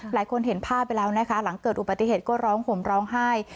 เห็นภาพไปแล้วนะคะหลังเกิดอุบัติเหตุก็ร้องห่มร้องไห้